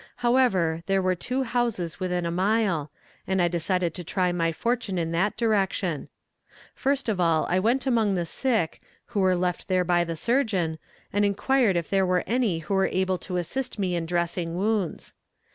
However, there were two houses within a mile, and I decided to try my fortune in that direction. First of all I went among the sick, who were left there by the surgeon, and inquired if there were any who were able to assist me in dressing wounds.